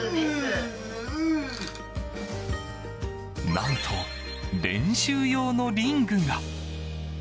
何と練習用のリングが。